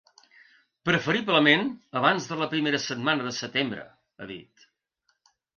Preferiblement abans de la primera setmana de setembre, ha dit.